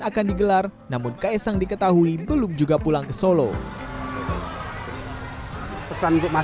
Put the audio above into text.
akan digelar namun kaisang diketahui belum juga pulang ke solo pesan untuk mas